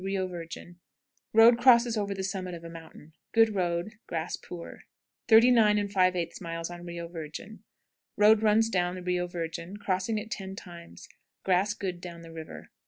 Rio Virgin. Road crosses over the summit of a mountain. Good road; grass poor. 39 5/8. Rio Virgin. Road runs down the Rio Virgin, crossing it ten times. Grass good down the river.